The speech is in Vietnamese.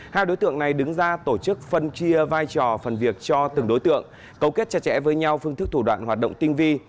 hai đối tượng này đứng ra tổ chức phân chia vai trò phần việc cho từng đối tượng cấu kết chặt chẽ với nhau phương thức thủ đoạn hoạt động tinh vi